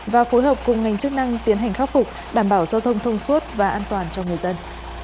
và phối hợp cùng ngành chức năng tiến hành khắc phục đảm bảo giao thông thông suốt và an toàn cho người dân